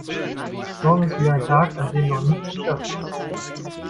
Morgen ist wieder ein Tag, an dem noch nichts geschafft ist.